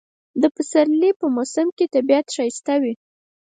د پسرلی په موسم کې طبیعت ښایسته وي